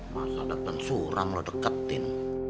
masa datang suram lu deketin